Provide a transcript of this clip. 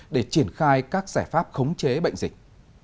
để triển khai các giải pháp khống chế bệnh dịch